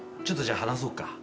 ちょっとじゃあ話そうか。